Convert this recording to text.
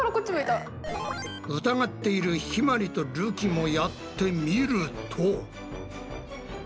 疑っているひまりとるきもやってみると。